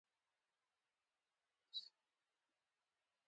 په چین او جاپان کې دواړو پېښو ډېر نږدېوالی درلود.